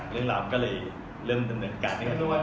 เรื่องหลับก็เลยเริ่มจำนวนกัน